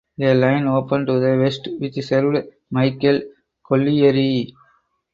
A line opened to the west which served Michael Colliery.